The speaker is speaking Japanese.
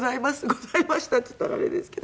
「ございました」って言ったらあれですけど。